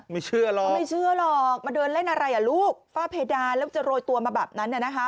ไม่เชื่อหรอกมาเดินเล่นอะไรลูกฝ้าเพดานแล้วจะโรยตัวมาแบบนั้น